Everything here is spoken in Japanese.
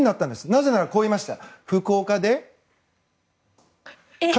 なぜならこう言いました。